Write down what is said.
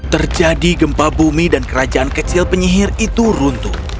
terjadi gempa bumi dan kerajaan kecil penyihir itu runtuh